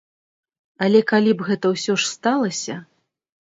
Але калі б гэта ўсё ж сталася?